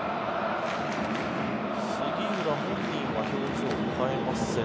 杉浦本人は表情を変えません。